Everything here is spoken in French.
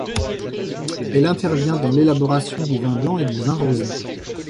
Elle intervient dans l'élaboration du vin blanc et du vin rosé.